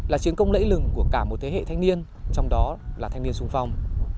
là chiến công lẫy lừng của cả một thế hệ thanh niên trong đó là thanh niên sung phong